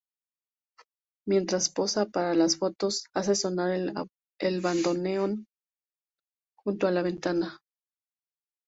Mientras posa para las fotos, hace sonar el bandoneón junto a la ventana.